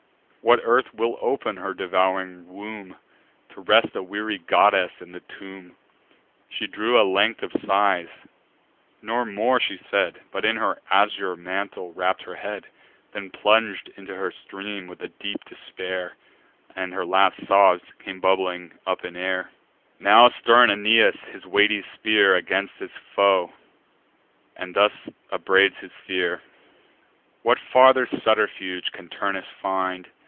What earth will open her devouring womb, To rest a weary goddess in the tomb!" She drew a length of sighs; nor more she said, But in her azure mantle wrapp'd her head, Then plung'd into her stream, with deep despair, And her last sobs came bubbling up in air. Now stern Aeneas waves his weighty spear Against his foe, and thus upbraids his fear: "What farther subterfuge can Turnus find?